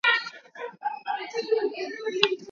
hii hali peke yake we unaionaje